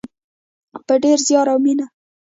په ډیر زیار او مینه.